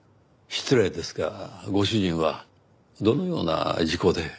失礼ですがご主人はどのような事故で？